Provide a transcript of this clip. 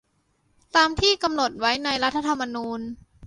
ตามที่กำหนดไว้ในรัฐธรรมนูญ